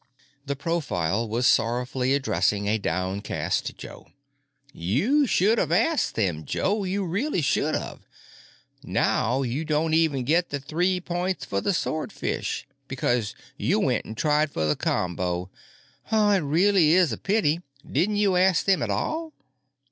The profile was sorrowfully addressing a downcast Joe. "You should of asked them, Joe. You really should of. Now you don't even get the three points for the swordfish, because you went an' tried for the combo. It reely is a pity. Din't you ask them at all?"